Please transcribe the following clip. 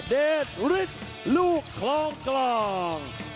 เดชฤทธิ์ลูกคลองกลาง